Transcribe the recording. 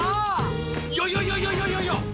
いやいやいやいやいやいやいや！